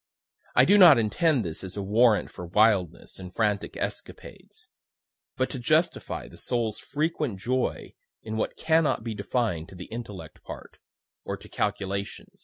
(I do not intend this as a warrant for wildness and frantic escapades but to justify the soul's frequent joy in what cannot be defined to the intellectual part, or to calculation.)